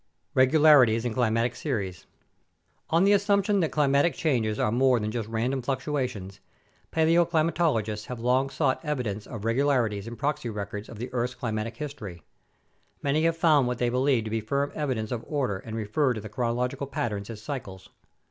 Regularities in Climatic Series On the assumption that climatic changes are more than just random fluctuations, paleoclimatologists have long sought evidence of regu larities in proxy records of the earth's climatic history. Many have found what they believe to be firm evidence of order and refer to the chronological patterns as "cycles."